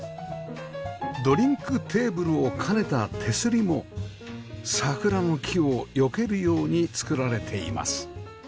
ドリンクテーブルを兼ねた手すりも桜の木をよけるように作られています